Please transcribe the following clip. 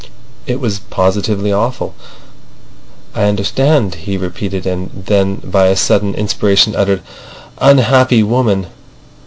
It was positively awful. "I understand," he repeated, and then by a sudden inspiration uttered an—"Unhappy woman!"